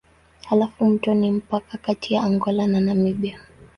Halafu mto ni mpaka kati ya Angola na Namibia.